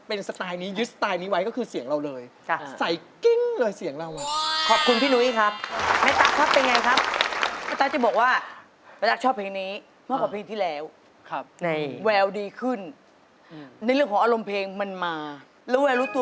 เป็นคนที่เสียงไภเหลาะ